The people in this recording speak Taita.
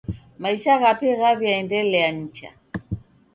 Maisha ghape ghaw'iaendelia nicha.